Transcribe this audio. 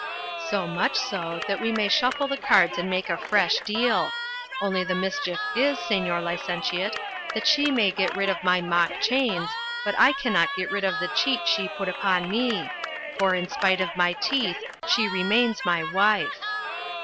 So much so that we may shuffle the cards and make a fresh deal. Only the mischief is, Señor Licentiate, that she may get rid of my mock chains, but I cannot get rid of the cheat she put upon me; for, in spite of my teeth, she remains my wife.